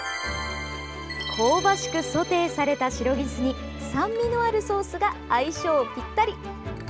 香ばしくソテーされたシロギスに酸味のあるソースが相性ぴったり。